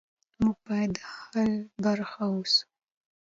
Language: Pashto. موږ باید د حل برخه اوسو.